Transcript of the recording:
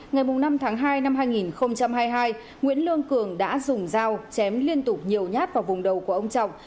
ngày năm tháng hai năm hai nghìn hai mươi hai nguyễn lương cường đã dùng dao chém liên tục nhiều nhát vào vùng đầu của ông trọng